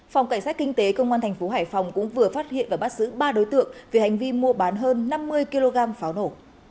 phòng cảnh sát kinh tế công an thành phố hải phòng cũng vừa phát hiện và bắt giữ ba đối tượng về hành vi mua bán hơn năm mươi kg pháo nổ